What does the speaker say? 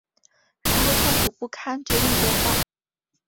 然后痛苦不堪决定折返